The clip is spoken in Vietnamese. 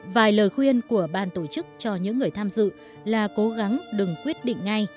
vài lời khuyên của ban tổ chức cho những người tham dự là cố gắng đừng quyết định ngay